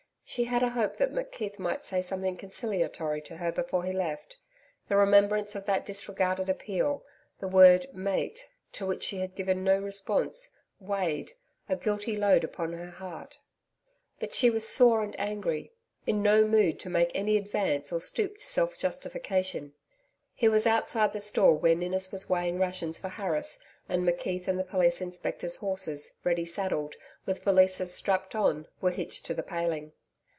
She had a hope that McKeith might say something conciliatory to her before he left. The remembrance of that disregarded appeal the word 'Mate' to which she had given no response, weighed, a guilty load, upon her heart. But she was sore and angry in no mood to make any advance or stoop to self justification. He was outside the store, where Ninnis was weighing rations for Harris, and McKeith's and the Police Inspector's horses, ready saddled, with valises strapped on, were hitched to the paling.